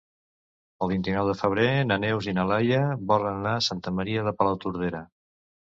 El vint-i-nou de febrer na Neus i na Laia volen anar a Santa Maria de Palautordera.